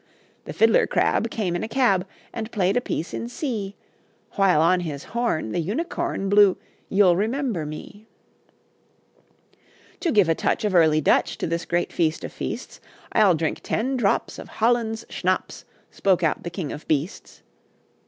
The fiddler crab Came in a cab, And played a piece in C; While on his horn, The Unicorn Blew, You'll Remember Me. "To give a touch Of early Dutch To this great feast of feasts, I'll drink ten drops Of Holland's schnapps," Spoke out the King of Beasts.